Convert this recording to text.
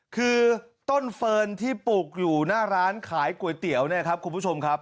คือต้นเฟิร์นที่ปลูกอยู่หน้าร้านขายก๋วยเตี๋ยวเนี่ยครับ